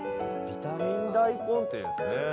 ビタミン大根っていうんですね。